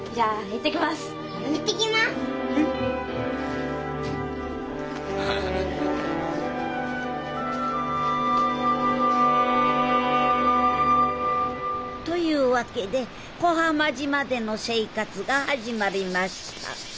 行ってきます！というわけで小浜島での生活が始まりました。